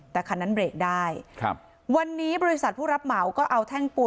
แต่คันนั้นเบรกได้ครับวันนี้บริษัทผู้รับเหมาก็เอาแท่งปูน